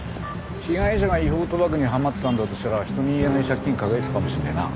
被害者が違法賭博にはまってたんだとしたら人に言えない借金抱えてたかもしれねえな。